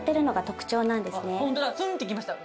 ホントだツンってきました。